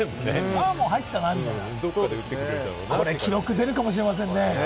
もう入ったなみたいな、これは記録出るかもしれませんね。